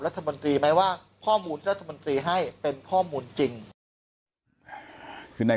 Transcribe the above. รัฐมนตรีไหมว่าข้อมูลที่รัฐมนตรีให้เป็นข้อมูลจริงคือใน